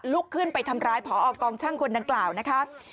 ลุกขึ้นไปทำร้ายผอกองช่างคนดังกล่าวนะคะ